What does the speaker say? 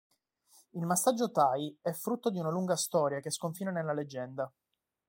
Il massaggio thai è frutto di una lunga storia che sconfina nella leggenda.